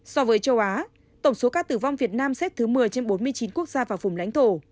so với châu á tổng số ca tử vong việt nam xếp thứ một mươi trên bốn mươi chín quốc gia và vùng lãnh thổ